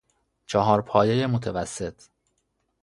چهار پایه متوسط